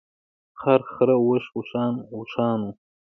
خر، خره، اوښ ، اوښان ، اوښانو .